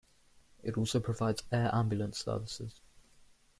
It also provides air ambulance services.